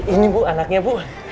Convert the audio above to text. ini bu anaknya bu